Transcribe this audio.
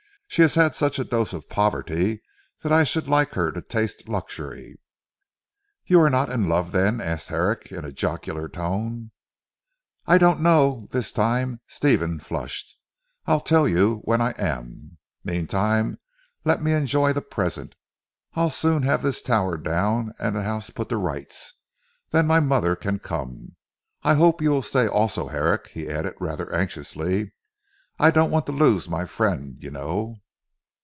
She has had such a dose of poverty that I should like her to taste luxury." "You are not in love then?" asked Herrick in a jocular tone. "I don't know!" this time Stephen flushed. "I'll tell you when I am. Meantime let me enjoy the present. I'll soon have this tower down and the house put to rights. Then my mother can come. I hope you will stay also Herrick," he added rather anxiously. "I don't want to lose my friend you know."